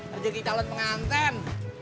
rejeki calon pengantin